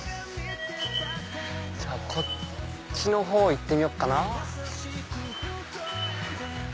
こっちのほう行ってみようかな。